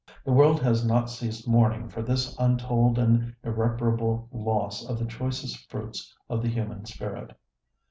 The world has not ceased mourning for this untold and irreparable loss of the choicest fruits of the human spirit.